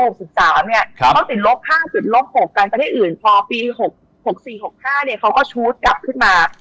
เขาติดลบ๕๐ลบ๖กันประเทศอื่นพอปี๖๔๖๕เขาก็ชูตกลับขึ้นมา